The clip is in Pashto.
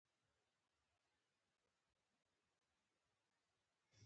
کلتور د افغانستان د چاپیریال ساتنې لپاره مهم دي.